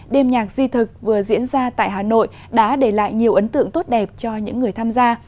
đêm nhạc di thực vừa diễn ra tại hà nội đã để lại nhiều ấn tượng tốt đẹp cho những người tham gia